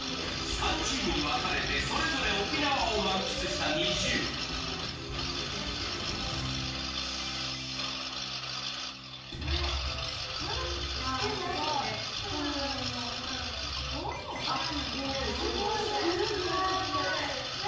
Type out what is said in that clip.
３チームに分かれてそれぞれ沖縄を満喫したＮｉｚｉＵ他のメンバーね。